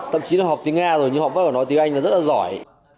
thậm chí họ học tiếng a rồi nhưng họ vẫn có thể nói tiếng anh là rất là giỏi